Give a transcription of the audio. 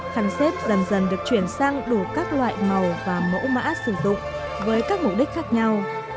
khăn xếp dần dần được chuyển sang đủ các loại màu và mẫu mã sử dụng với các mục đích khác nhau